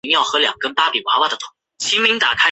普雷佩查语中的轻重读是不同的音位。